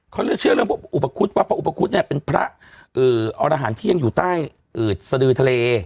เขาจะเชื่อเรื่องพวกอุปคุฎว่าพระอุปคุฎเนี่ยเป็นพระอรหารที่ยังอยู่ใต้อืดสดือทะเล